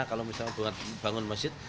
kalau misalnya buat bangun masjid